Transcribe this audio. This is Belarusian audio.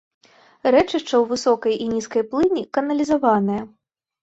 Рэчышча ў высокай і нізкай плыні каналізаванае.